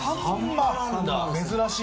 珍しい。